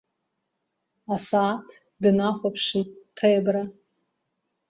Асааҭ днахәаԥшит Ҭебра.